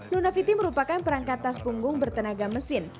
lunafiti merupakan perangkat tas punggung bertenaga mesin